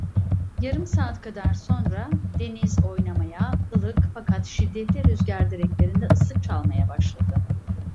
Yarım saat kadar sonra, deniz oynamaya, ılık, fakat şiddetli rüzgar direklerde ıslık çalmaya başladı.